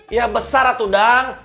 ya besar atuh bang